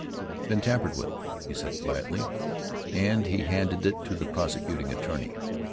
"It's been tampered with," he said quietly, and he handed it to the prosecuting attorney.